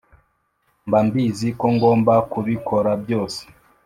mba mbizi ko ngomba kubikora byose